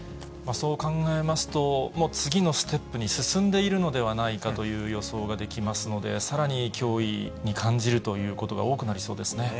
そう考えますと、もう次のステップに進んでいるのではないかという予想ができますので、さらに脅威に感じるということが多くなりそうですね。